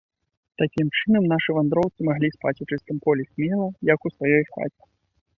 Такім чынам, нашы вандроўцы маглі спаць у чыстым полі смела, як у сваёй хаце.